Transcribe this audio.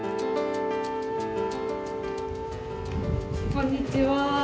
こんにちは。